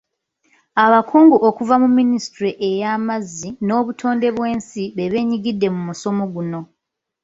Abakungu okuva mu minisitule ey’amazzi n’Obutonde bw’ensi be beenyigidde mu musomo guno.